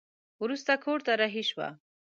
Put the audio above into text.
وروسته کور ته رهي شوه.